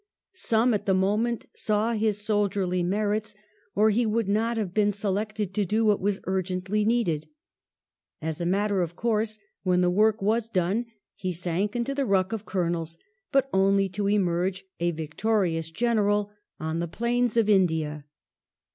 Some, at the moment, saw his soldierly merits, or he would not have been selected to do what was urgently needed. As a matter of course, when the work was done, he sank into the ruck of colonels, but only to emerge a victorious general on the plains of India.